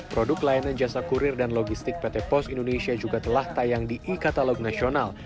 produk layanan jasa kurir dan logistik pt pos indonesia juga telah tayang di e katalog nasional